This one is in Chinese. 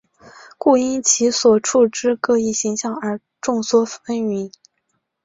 故因其所处之各异形象而众说纷纭。